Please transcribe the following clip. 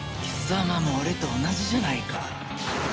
貴様も俺と同じじゃないか。